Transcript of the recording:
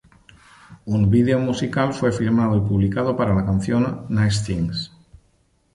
Un video musical fue filmado y publicado para la canción "Nice Things.